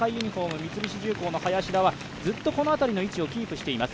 三菱重工の林田はずっとこの辺りの位置をキープしています。